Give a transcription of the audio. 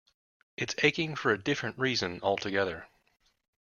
It's aching for a different reason altogether.